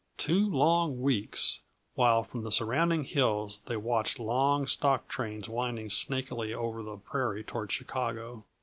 Two long weeks, while from the surrounding hills they watched long stock trains winding snakily over the prairie toward Chicago.